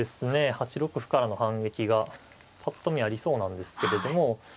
８六歩からの反撃がぱっと見ありそうなんですけれども。